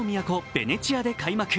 ベネチアで開幕